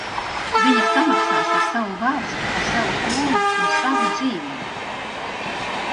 Viņa samaksās ar savu valsti, ar savu troni un savu dzīvību!